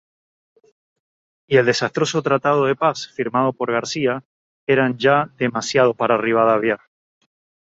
Y el desastroso tratado de paz firmado por García, eran ya demasiado para Rivadavia.